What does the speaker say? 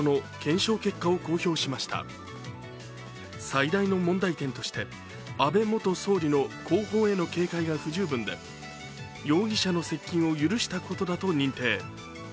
最大の問題点として、安倍元総理の後方への警戒が不十分で容疑者の接近を許したことだと認定。